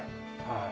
はい。